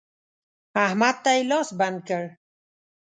احمد ته يې لاس بند کړ.